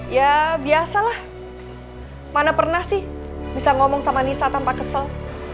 ya biasalah mana pernah sih bisa ngomong sama nisa tanpa kesel